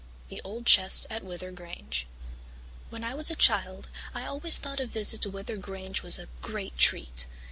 The Old Chest at Wyther Grange When I was a child I always thought a visit to Wyther Grange was a great treat.